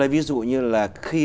ví dụ như là khi